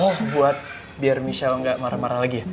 oh buat biar michelle nggak marah marah lagi ya